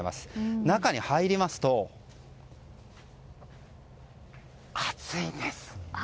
中に入りますと、暑いんです。